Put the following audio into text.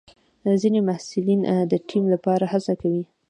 ځینې محصلین د ټیم لپاره هڅه کوي.